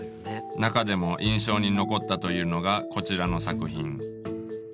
中でも印象に残ったというのがこちらの作品。